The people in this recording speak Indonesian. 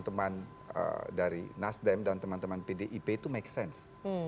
teman dari nasdem dan teman teman pdip itu make sense